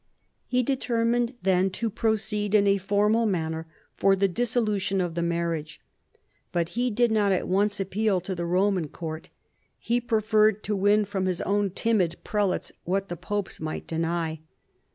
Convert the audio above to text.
He determined then to proceed in a formal manner for the dissolution of the marriage. But he did not at once appeal to the Eoman court. He preferred to win from his own timid prelates what the popes might deny.